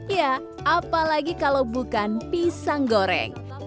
ya apalagi kalau bukan pisang goreng